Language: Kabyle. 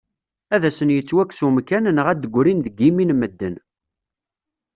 Ad asen-yettwakkes umkan neɣ ad d-ggrin deg yimi n medden.